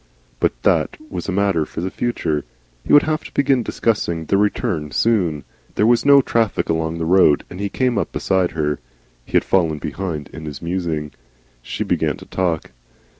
But that was a matter for the future. He would have to begin discussing the return soon. There was no traffic along the road, and he came up beside her (he had fallen behind in his musing). She began to talk.